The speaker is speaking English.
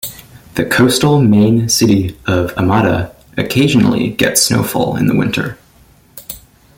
The coastal main city of Hamada occasionally gets snowfall in the winter.